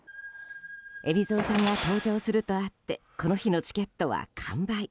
海老蔵さんが登場するとあってこの日のチケットは完売。